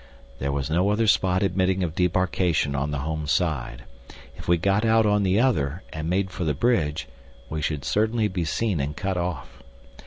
There was no other spot admitting of debarcation on the home side; if we got out on the other, and made for the bridge, we should certainly be seen and cut off.